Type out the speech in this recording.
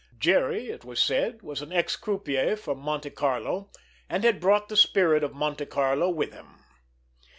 Jerry, it was said, was an ex croupier from Monte Carlo, and had brought the spirit of Monte Carlo with him.